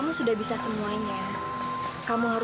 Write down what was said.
dosa deh sudah tahu kan